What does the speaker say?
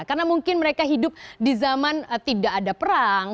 karena mungkin mereka hidup di zaman tidak ada perang